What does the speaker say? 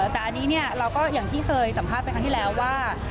แต่อันนี้เราก็อย่างที่เคยสัมภาษณ์ไปครั้งที่แล้วว่า